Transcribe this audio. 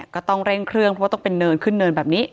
ก็ต้องเร่งเครื่องเพราะว่าต้องเป็นเนินขึ้นเนินแบบนี้